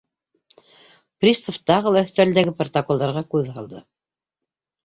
— Пристав тағы ла өҫтәлдәге протоколдарға күҙ һалды.